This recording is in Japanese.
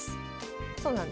そうなんですよね。